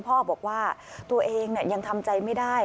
พ่อบอกว่าตัวเองยังทำใจไม่ได้